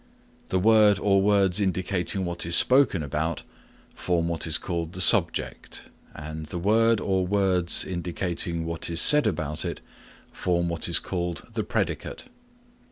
The word or words indicating what is spoken about form what is called the subject and the word or words indicating what is said about it form what is called the predicate.